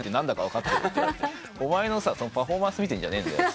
「お前のパフォーマンス見てんじゃねえんだよ」